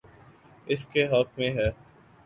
اس کے حق میں ہے۔